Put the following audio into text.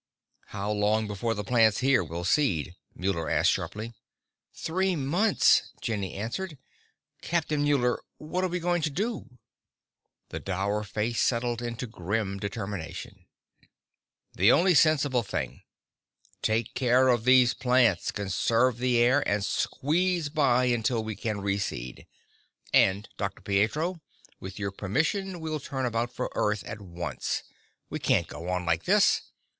"How long before the plants here will seed?" Muller asked sharply. "Three months," Jenny answered. "Captain Muller, what are we going to do?" The dour face settled into grim determination. "The only sensible thing. Take care of these plants, conserve the air, and squeeze by until we can reseed. And, Dr. Pietro, with your permission, we'll turn about for Earth at once. We can't go on like this.